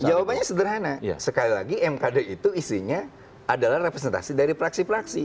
jawabannya sederhana sekali lagi mkd itu isinya adalah representasi dari praksi praksi